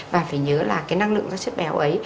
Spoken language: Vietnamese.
và phải nhớ là cái năng lượng ra chất béo ấy